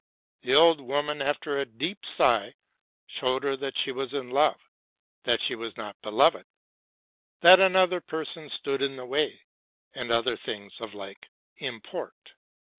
'' The old woman, after a 326 TRUTH AND FICTION deep sigh, showed her that she was in love; that she was not beloved; that another person stood in the way; and other things of like import.